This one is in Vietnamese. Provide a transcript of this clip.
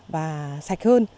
và sạch hơn